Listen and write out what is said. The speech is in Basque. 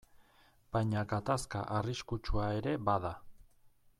Baina gatazka arriskutsua ere bada.